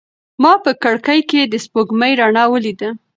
ما په کړکۍ کې د سپوږمۍ رڼا ولیده.